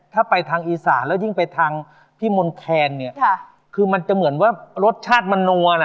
ถ้าไปทางอีสานแล้วยิ่งไปทางพี่มนต์แคนเนี่ยคือมันจะเหมือนว่ารสชาติมันนัวน่ะ